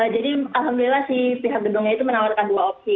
jadi alhamdulillah sih pihak bendungnya itu menawarkan dua opsi